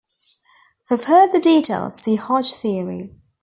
For further details see Hodge theory.